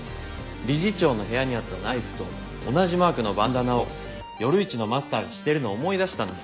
理事長の部屋にあったナイフと同じマークのバンダナをよるイチのマスターがしてるのを思い出したんだよ。